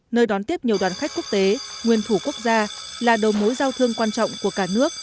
nơi đón tiếp nhiều đoàn khách quốc tế nguyên thủ quốc gia là đầu mối giao thương quan trọng của cả nước